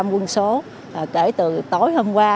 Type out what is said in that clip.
một trăm linh quân số kể từ tối hôm qua